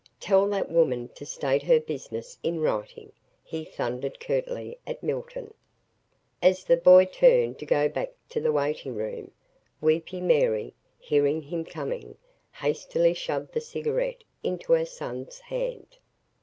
"Tell that woman to state her business in writing," he thundered curtly at Milton. As the boy turned to go back to the waiting room, Weepy Mary, hearing him coming, hastily shoved the cigarette into her "son's" hand.